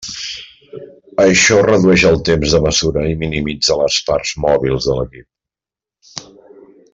Això redueix el temps de mesura, i minimitza les parts mòbils de l'equip.